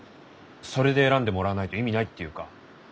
それで選んでもらわないと意味ないっていうか。